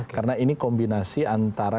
karena ini kombinasi antara